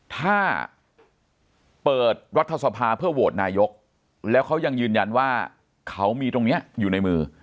ถ้าเปิดรัฐสภาเพื่อโหวตนายกแล้วเขายังยืนยันว่าเขามีตรงนี้อยู่ในมือ